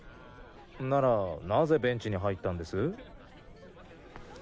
ならなぜベンチに入ったんです？